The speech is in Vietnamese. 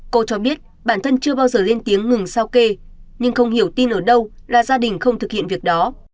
cô cho biết bản thân chưa bao giờ lên tiếng ngừng giao kê nhưng không hiểu tin ở đâu là gia đình không thực hiện việc đó